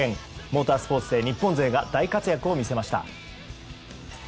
モータースポーツで日本勢が大活躍を見せました。